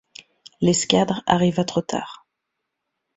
L'escadre arriva trop tard.